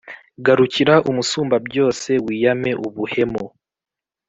Garukira Umusumbabyose, wiyame ubuhemu,